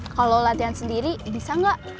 kalau latihan sendiri bisa nggak